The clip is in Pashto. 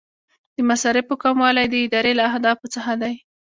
د مصارفو کموالی د ادارې له اهدافو څخه دی.